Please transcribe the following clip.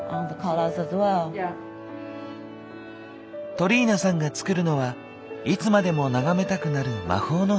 トリーナさんが作るのはいつまでも眺めたくなる魔法の花束。